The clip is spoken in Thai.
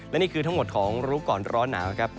และนี่คือทั้งหมดของรู้ก่อนร้อนหนาวครับ